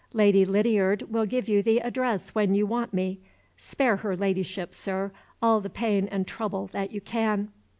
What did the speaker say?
Lady Lydiard will give you the address when you want me. Spare her Ladyship, sir, all the pain and trouble that you can."